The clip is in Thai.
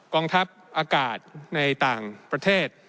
กองทัพอากาศในต่างประเทศ